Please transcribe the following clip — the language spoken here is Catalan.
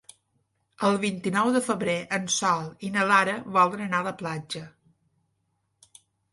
El vint-i-nou de febrer en Sol i na Lara volen anar a la platja.